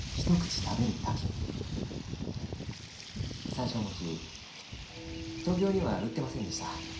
山椒餅東京には売ってませんでした。